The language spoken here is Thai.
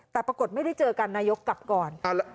แต่ปรากฏไม่ได้เจอกันนายกกลับก่อน